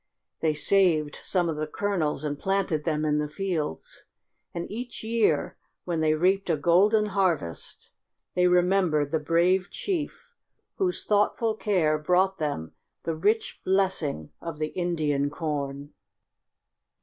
They saved some of the kernels and planted them in the fields, and each year when they reaped a golden harvest they remembered the brave chief whose thoughtful care brought them the rich blessing of the Indian corn.